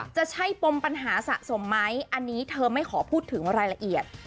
จะใช่ปมปัญหาสะสมไหมอันนี้เธอไม่ขอพูดถึงรายละเอียด